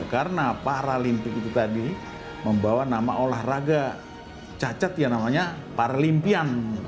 karena paralympic itu tadi membawa nama olahraga cacat yang namanya paralympian